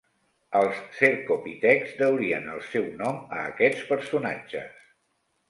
Els cercopitecs deurien el seu nom a aquests personatges.